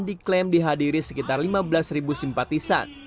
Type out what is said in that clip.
diklaim dihadiri sekitar lima belas ribu simpatisan